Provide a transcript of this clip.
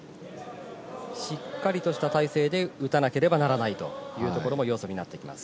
しっかりとした体勢で打たなければならないというところも要素になってきます。